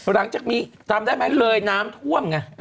หลังจากมีจำได้ไหมเลยน้ำท่วมไง